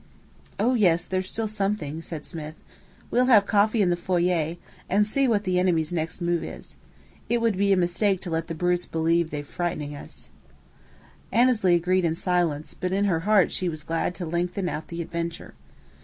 "Oh, yes, there's still something," said Smith. "We'll have coffee in the foyer, and see what the enemy's next move is. It would be a mistake to let the brutes believe they're frightening us." Annesley agreed in silence; but in her heart she was glad to lengthen out the adventure.